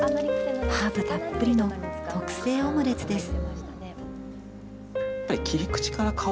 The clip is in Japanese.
ハーブたっぷりの特製オムレツです。